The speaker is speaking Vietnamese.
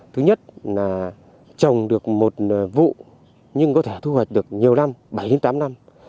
thứ nhất là trồng được một vụ nhưng có thể thu hoạch được nhiều năm bảy tám năm